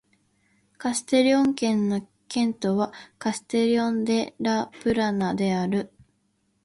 カステリョン県の県都はカステリョン・デ・ラ・プラナである